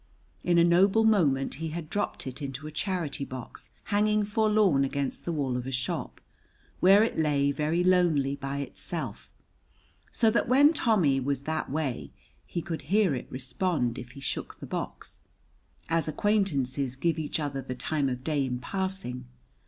In a noble moment he had dropped it into a charity box hanging forlorn against the wall of a shop, where it lay very lonely by itself, so that when Tommy was that way he could hear it respond if he shook the box, as acquaintances give each other the time of day in passing.